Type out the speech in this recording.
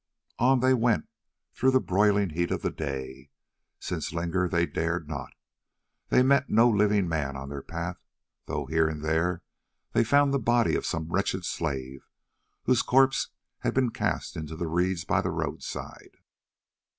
On they went through the broiling heat of the day, since linger they dared not. They met no living man on their path, though here and there they found the body of some wretched slave, whose corpse had been cast into the reeds by the roadside.